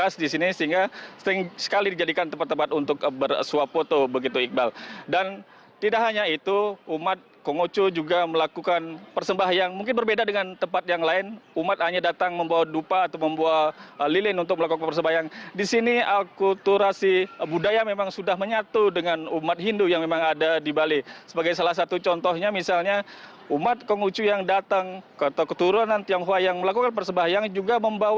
sampai jumpa di video selanjutnya